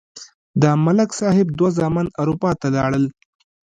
د ملک صاحب دوه زامن اروپا ته لاړل.